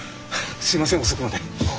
すいません遅くまで。